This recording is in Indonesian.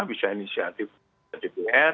bisa inisiatif dpr